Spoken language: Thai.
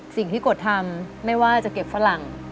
สิ่งที่กดทำไม่ว่าจะเก็บฝรั่ง